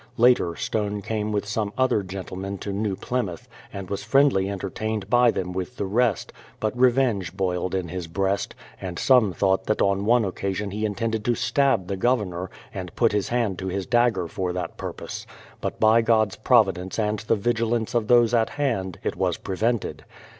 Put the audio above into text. Later, Stone came with some other gentlemen to New Plymouth, and was friendly entertained by them with the rest; but revenge boiled in his breast, and some thought that on one occasion he intended to stab the Governor, and put his hand to his dagger for that purpose; but by God's providence and the vigilance of those at hand, it was prevented.